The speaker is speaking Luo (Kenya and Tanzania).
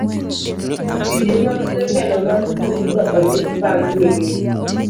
tije mag jotelo mag grubno ondik bang' nyingegi.